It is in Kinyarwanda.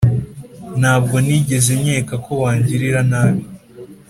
ntabwo nigeze nkeka ko wangirira nabi.